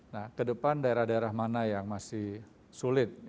nah ke depan daerah daerah mana yang masih sulit